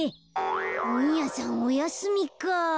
ほんやさんおやすみか。